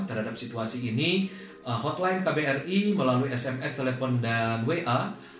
terhadap situasi ini hotline kbri melalui sms telepon dan wa tujuh ribu tujuh ratus tujuh puluh satu delapan ratus tiga puluh enam dua empat puluh lima